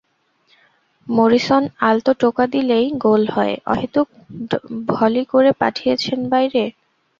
Morrison আলতো টোকা দিলেই গোল হয়, অহেতুক ভলি করে পাঠিয়েছেন বাইরে।